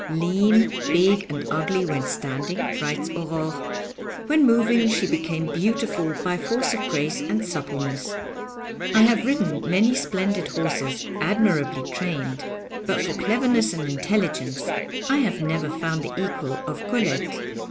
'Lean, big and ugly when standing,' writes Aurore, 'when moving she became beautiful by force of grace and suppleness. I have ridden many splendid horses admirably trained, but for cleverness and intelligence I have never found the equal of Colette.